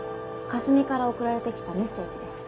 かすみから送られてきたメッセージです。